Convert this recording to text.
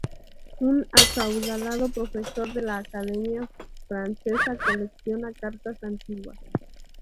Un acaudalado profesor de la Academia Francesa colecciona cartas antiguas.